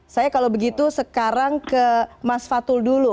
saya kalau begitu sekarang ke mas fatul dulu